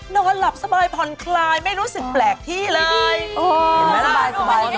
นอนหลับสบายผ่อนคลายไม่รู้สึกแปลกที่เลยเห็นไหม